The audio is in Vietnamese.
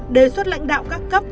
đề xuất lãnh đạo các cấp